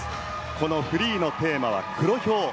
このフリーのテーマは黒豹。